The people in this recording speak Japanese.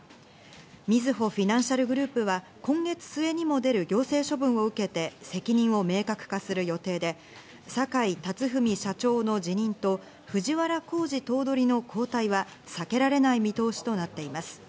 みずほフィナンシャルグループは今月末にも出る行政処分を受けて責任を明確化する予定で、坂井辰史社長の辞任と藤原弘治頭取の交代は避けられない見通しとなっています。